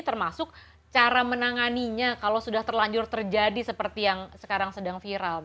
termasuk cara menanganinya kalau sudah terlanjur terjadi seperti yang sekarang sedang viral